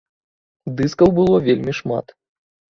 Дыскаў было вельмі шмат.